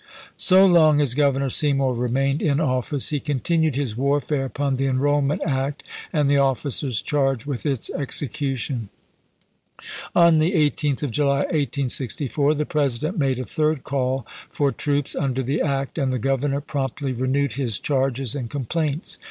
So long as Governor Seymour remained in of fice he continued his warfare upon the enrollment act and the officers charged with its execution. On the 18th of July, 1864, the President made a third call for troops under the act, and the Gov ernor promptly renewed his charges and com plaints.